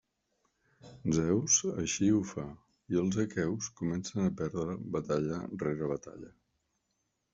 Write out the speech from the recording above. Zeus així ho fa i els aqueus comencen a perdre batalla rere batalla.